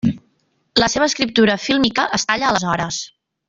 La seva escriptura fílmica es talla aleshores.